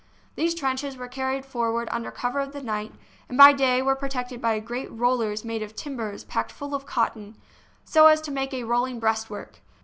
These trenches were carried forward under cover of the night, and by day were protected by great rollers made of timbers packed full of cotton, so as to make a rolling breastwork.